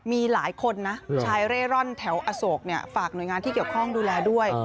มีหลายคนนะชายเร่ร่อนแถวอโศกฝากหน่วยงานที่เกี่ยวข้องดูแลด้วย